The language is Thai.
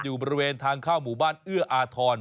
อยู่บริเวณทางเข้าหมู่บ้านเอื้ออาทร